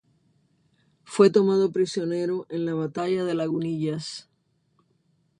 Fue tomado prisionero en la batalla de Lagunillas.